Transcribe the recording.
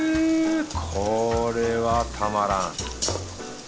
これはたまらん。